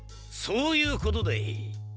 そういうことでい！